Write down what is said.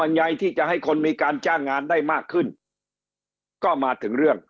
ไงที่จะให้คนมีการจ้างงานได้มากขึ้นก็มาถึงเรื่อง